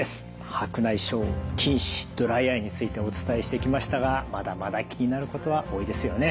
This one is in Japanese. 白内障近視ドライアイについてお伝えしてきましたがまだまだ気になることは多いですよね。